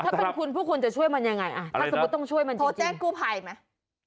ถ้าเป็นคุณพวกคุณจะช่วยมันอย่างไรถ้าสมมุติต้องช่วยมันจริงอะไรนะโทรแจ้งกูภัยไหม